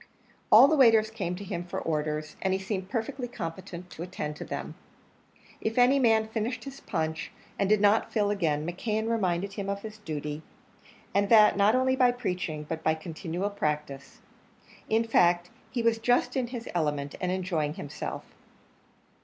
All the waiters came to him for orders, and he seemed perfectly competent to attend to them. If any man finished his punch and did not fill again, McKeon reminded him of his duty and that not only by preaching, but by continual practice. In fact, he was just in his element, and enjoying himself.